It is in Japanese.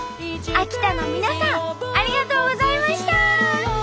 秋田の皆さんありがとうございました！